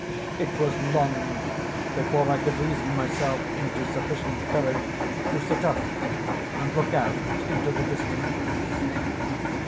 It was long before I could reason myself into sufficient courage to sit up and look out into the distance.